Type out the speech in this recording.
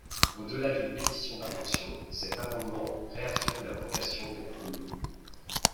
Au-delà d’une pétition d’intentions, cet amendement réaffirme la vocation de la commune.